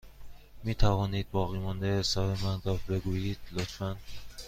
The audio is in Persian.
می توانید باقیمانده حساب من را بگویید، لطفا؟